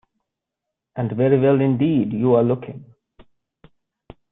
And very well indeed you are looking.